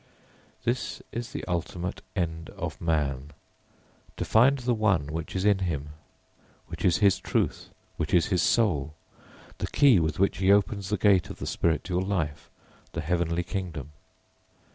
_ [Footnote: Amritasyaisha sētuh.] This is the ultimate end of man, to find the One which is in him; which is his truth, which is his soul; the key with which he opens the gate of the spiritual life, the heavenly kingdom.